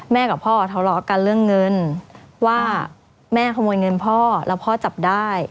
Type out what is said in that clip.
กับพ่อทะเลาะกันเรื่องเงินว่าแม่ขโมยเงินพ่อแล้วพ่อจับได้